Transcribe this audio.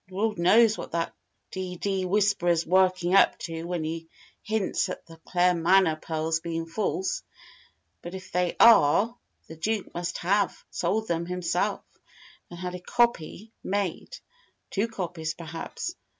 Lord knows what that d d 'Whisperer's' working up to when he hints at the Claremanagh pearls being false. But if they are, the Duke must have sold them himself, and had a copy made two copies, perhaps.